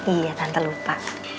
iya tante lupa